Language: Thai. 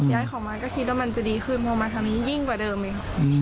ย้ายของมาก็คิดว่ามันจะดีขึ้นเพราะมันทำอย่างยิ่งกว่าเดิมเลย